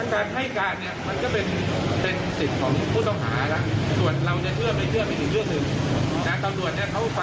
ครับ